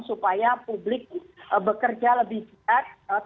supaya publik bekerja lebih sehat